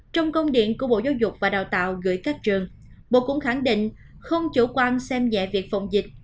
trong công điện của bộ giáo dục và đào tạo gửi các trường bộ cũng khẳng định không chủ quan xem nhẹ việc phòng dịch